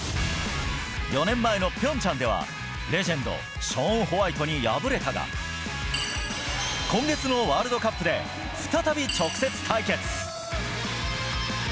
４年前の平昌ではレジェンドショーン・ホワイトに敗れたが今月のワールドカップで再び直接対決。